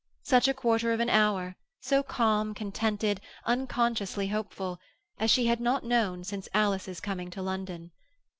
Such a quarter of an hour—so calm, contented, unconsciously hopeful—as she had not known since Alice's coming to London.